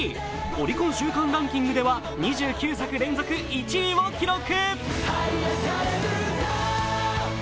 オリコン週間ランキングでは２９作連続で１位を記録。